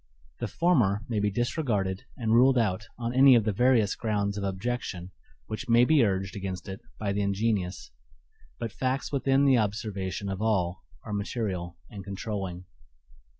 The former may be disregarded and ruled out on any of the various grounds of objection which may be urged against it by the ingenious; but facts within the observation of all are material and controlling.